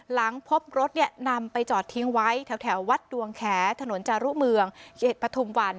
หลังพบรถนำไปจอดทิ้งไว้แถววัดดวงแขถนนจารุเมืองเขตปฐุมวัน